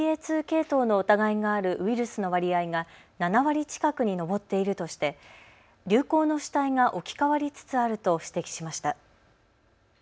２系統の疑いがあるウイルスの割合が７割近くに上っているとして流行の主体が置き換わりつつあると指摘しました。